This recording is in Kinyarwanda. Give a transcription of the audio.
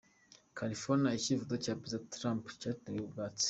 California: Icyifuzo cya Perezida Trump cyatewe utwatsi.